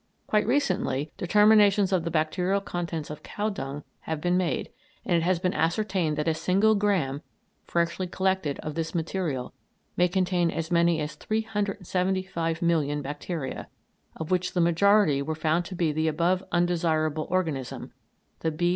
Quite recently determinations of the bacterial contents of cow dung have been made, and it has been ascertained that a single gramme, freshly collected, of this material may contain as many as 375,000,000 bacteria, of which the majority were found to be the above undesirable organism, the _B.